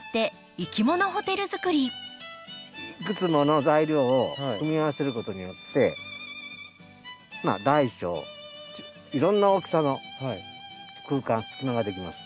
いくつもの材料を組み合わせることによって大小いろんな大きさの空間隙間ができます。